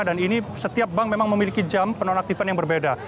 dan ini setiap bank memang memiliki jam penonaktifan yang berbeda